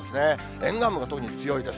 沿岸部が特に強いです。